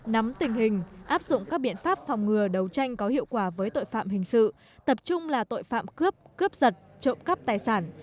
nắm tình hình áp dụng các biện pháp phòng ngừa đấu tranh có hiệu quả với tội phạm hình sự tập trung là tội phạm cướp cướp giật trộm cắp tài sản